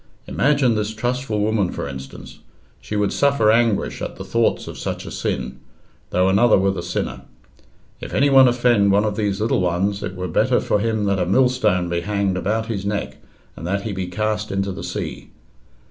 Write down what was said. Imagine this trustful woman for instance she would suffer anguish at the thoughts of such a sin, though another were the sinner. "If anyone offend one of these little ones it were better for him that a millstone be hanged about his neck and that he be cast into the sea."